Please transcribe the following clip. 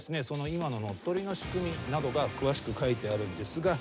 今の乗っ取りの仕組みなどが詳しく書いてあるんですが。